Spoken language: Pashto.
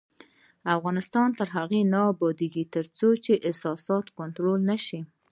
افغانستان تر هغو نه ابادیږي، ترڅو احساسات کنټرول نشي.